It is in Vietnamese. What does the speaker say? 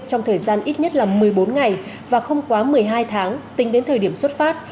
trong thời gian ít nhất là một mươi bốn ngày và không quá một mươi hai tháng tính đến thời điểm xuất phát